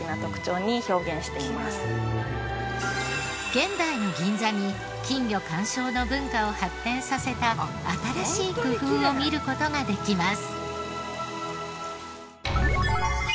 現代の銀座に金魚鑑賞の文化を発展させた新しい工夫を見る事ができます。